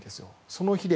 その日で。